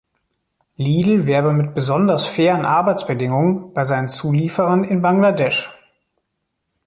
Lidl werbe mit besonders fairen Arbeitsbedingungen bei seinen Zulieferern in Bangladesch.